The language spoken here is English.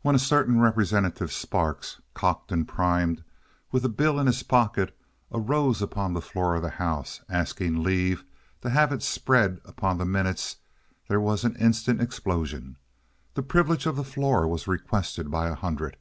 When a certain Representative Sparks, cocked and primed, with the bill in his pocket, arose upon the floor of the house, asking leave to have it spread upon the minutes, there was an instant explosion. The privilege of the floor was requested by a hundred.